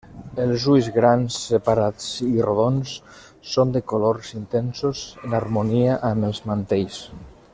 Els ulls grans, separats i rodons, són de colors intensos, en harmonia amb els mantells.